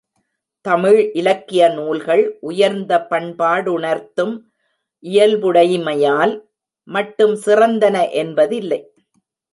தமிழ் இலக்கிய நூல்கள் உயர்ந்த பண்பாடுணர்த்தும் இயல்புடைமையால் மட்டும் சிறந்தன என்பதில்லை.